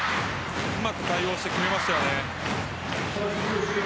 うまく対応して決めましたよね。